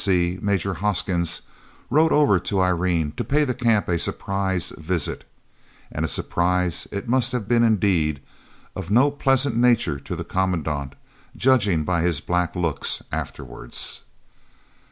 D.C., Major Hoskins, rode over to Irene to pay the Camp a surprise visit and a "surprise" it must have been indeed, of no pleasant nature, to the Commandant, judging by his black looks afterwards.